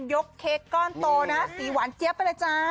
เค้กก้อนโตนะสีหวานเจี๊ยบไปเลยจ้า